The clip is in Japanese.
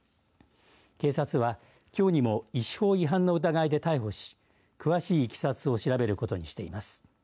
警察は、きょうにも医師法違反の疑いで逮捕し詳しいいきさつを調べることにしています。